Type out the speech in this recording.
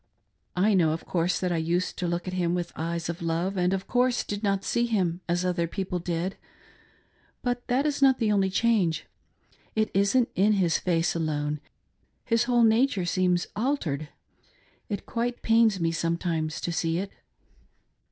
I know, of course, that I used to look at him with the eyes of love, and of course did not see him as other people did ; but that is not the only change — it isn't in his face alone ; his whole nature seems altered. It quite pains me sometimes to see it."